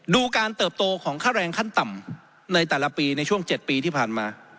ดูการเติบโตของค่าแรงขั้นต่ำในแต่ละปีในช่วง๗ปีที่ผ่านมา